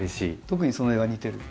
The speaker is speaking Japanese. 特にその絵は似てる。